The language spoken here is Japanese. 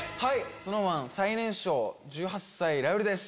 ＳｎｏｗＭａｎ最年少１８歳ラウールです。